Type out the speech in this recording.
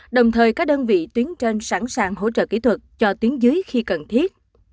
đồng thời các đơn vị tuyến trên sẵn sàng hỗ trợ kỹ thuật cho tuyến dưới khi cần thiết